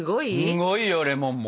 すごいよレモンも。